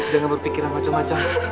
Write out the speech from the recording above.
jangan berpikiran macem macem